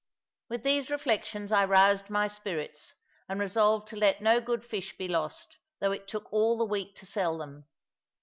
With these reflections I roused my spirits, and resolved to let no good fish be lost, though it took all the week to sell them.